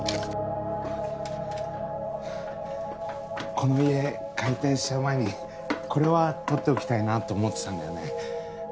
この家解体しちゃう前にこれは取っておきたいなと思ってたんだよね